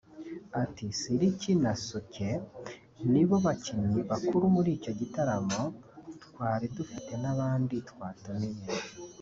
Ati “Siriki na Souké nibo bakinnyi bakuru muri icyo gitaramo twari dufite n’abandi twatumiye